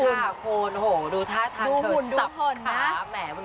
ค่ะคุณโหดูท่าทางคือสับขาแหม